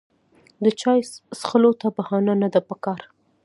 د چای څښلو ته بهانه نه ده پکار.